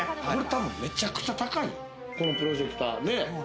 これ多分めちゃくちゃ高いよ、このプロジェクター。